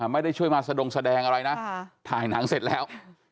ไม่ได้ช่วยมาสะดงแสดงอะไรนะถ่ายหนังเสร็จแล้ว